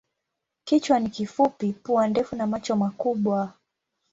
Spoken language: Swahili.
Kichwa ni kifupi, pua ndefu na macho makubwa.